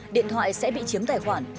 điện thoại sẽ bị chiếm tài khoản